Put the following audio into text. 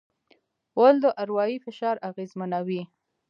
غول د اروایي فشار اغېزمنوي.